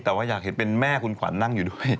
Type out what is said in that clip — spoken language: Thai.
แต่ว่าอยากเห็นเป็นแม่คุณขวัญนั่งอยู่ด้วย